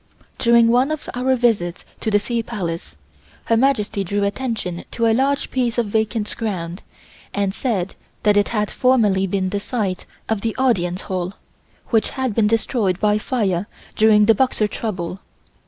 During one of our visits to the Sea Palace Her Majesty drew attention to a large piece of vacant ground and said that it had formerly been the site of the Audience Hall which had been destroyed by fire during the Boxer trouble.